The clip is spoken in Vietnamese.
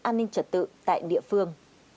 tòa án an ninh trật tự tại địa phương